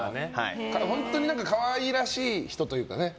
本当に可愛らしい人というかね。